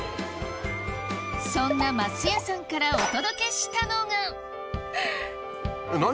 そんなますやさんからお届けしたのが何？